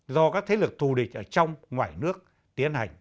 do các thế lực thù địch ở trong ngoài nước tiến hành